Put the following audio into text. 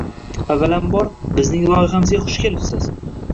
Avvalambor bizning loyihamizga xush kelibsiz.